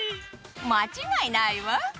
間違いないわ。